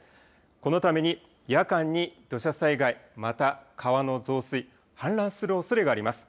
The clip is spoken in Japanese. このために夜間に土砂災害、また川の増水、氾濫するおそれがあります。